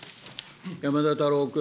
山田太郎君。